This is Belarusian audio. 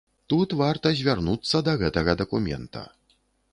Тут варта звярнуцца да гэтага дакумента.